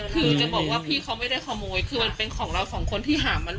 คือจะบอกว่าพี่เขาไม่ได้ขโมยคือมันเป็นของเราสองคนที่หามา